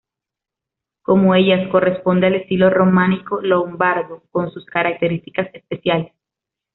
Como ellas, corresponde al estilo románico lombardo, con sus características especiales.